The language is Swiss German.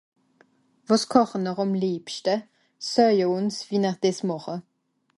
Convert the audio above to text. Wàs koche-n-r àm lìebschte ? Soeje ùns wie-n-r dìs màche.